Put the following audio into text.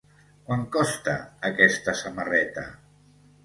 Quant costa aquesta samarreta?